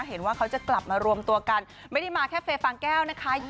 เห็นว่าเขาจะกลับมารวมตัวกันไม่ได้มาแค่เฟฟางแก้วนะคะ